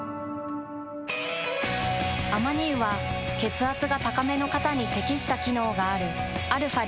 アマニ油は血圧が高めの方に適した機能があるαー